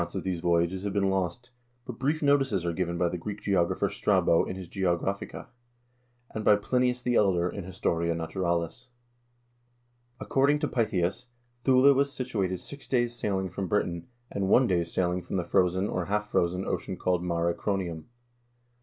24 HISTORY OF THE NORWEGIAN PEOPLE of these voyages have been lost, but brief notices are given by the Greek geographer Strabo in his "Geographica," x and by Pliniusthe Elder in his " Historia Naturalis." 2 According to Pytheas, Thule was situated six days' sailing from Britain, and one day's sailing from the frozen, or half frozen, ocean called mare cronium.